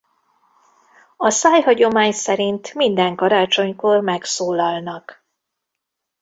A szájhagyomány szerint minden karácsonykor megszólalnak.